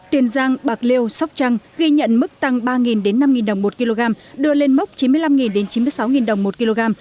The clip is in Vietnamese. tiền giang bạc liêu sóc trăng ghi nhận mức tăng ba năm đồng một kg đưa lên mốc chín mươi năm chín mươi sáu đồng một kg